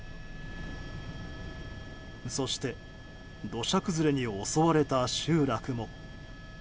そして土砂崩れに襲われた集落も。